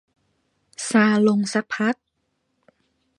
ซาลงสักพัก